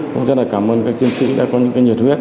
cũng rất là cảm ơn các chiến sĩ đã có những cái nhiệt huyết